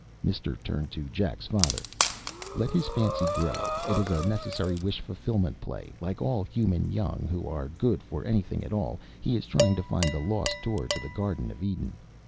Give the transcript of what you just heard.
Mister turned to Jack's father. "Let his fancy grow. It is a necessary wish fulfillment play. Like all human young who are good for anything at all, he is trying to find the lost door to the Garden of Eden.